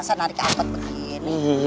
senarik angkut begini